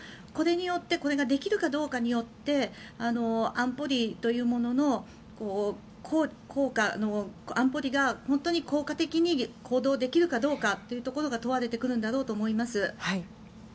これによってこれができるかどうかによって安保理というものの安保理が本当に効果的に行動できるかどうかというところが問われてくるんだろうと思います。